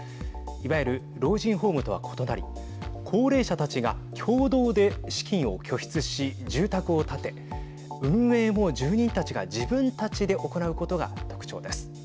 いわゆる老人ホームとは異なり高齢者たちが協同で資金を拠出し住宅を建て運営も住人たちが自分たちで行うことが特徴です。